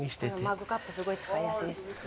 マグカップすごい使いやすいですよ。